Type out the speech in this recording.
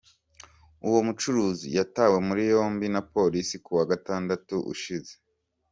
Uyu mucuruzi yatawe muri yombi na Polisi kuwa Gatandatu ushize.